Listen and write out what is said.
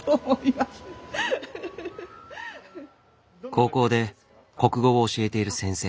高校で国語を教えている先生。